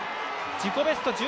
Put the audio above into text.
自己ベスト